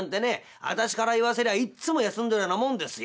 私から言わせりゃいっつも休んでるようなもんですよ。